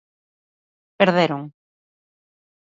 Perderon.